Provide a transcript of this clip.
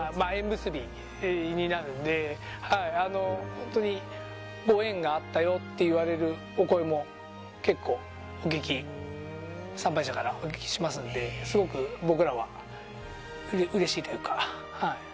本当にご縁があったよと言われるお声も結構参拝者からお聞きしますのですごく僕らはうれしいというか。